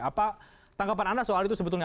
apa tanggapan anda soal itu sebetulnya